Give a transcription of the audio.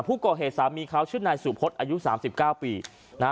ผู้ก่อเหตุสามีเขาชื่อนายสุโขทอายุสามสิบเก้าปีนะฮะ